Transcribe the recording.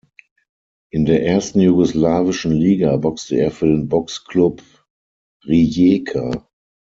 In der ersten jugoslawischen Liga boxte er für den Boxclub Rijeka.